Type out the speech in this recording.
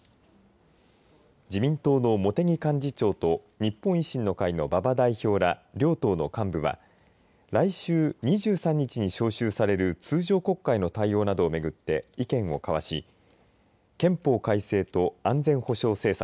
自民党の茂木幹事長と日本維新の会の馬場代表ら両党の幹部は来週２３日に召集される通常国会の対応などを巡って意見を交わし憲法改正と安全保障政策